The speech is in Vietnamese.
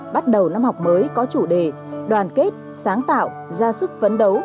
bắt đầu năm học mới có chủ đề đoàn kết sáng tạo ra sức phấn đấu